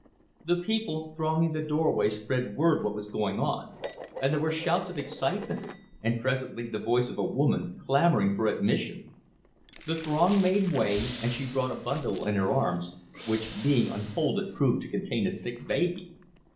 The people thronging the doorway spread word what was going on, and there were shouts of excitement, and presently the voice of a woman, clamoring for admission. The throng made way, and she brought a bundle in her arms, which being unfolded proved to contain a sick baby.